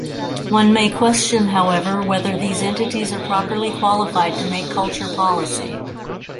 One may question however whether these entities are properly qualified to make culture policy.